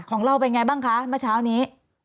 ของเราเป็นไงบ้างคะเมื่อเช้านี้